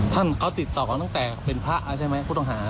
ท่านเขาติดต่อกันตั้งแต่เป็นพระแล้วใช่ไหมผู้ต้องหา